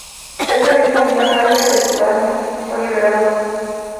Ese mismo día Jaime de Zudáñez fue liberado.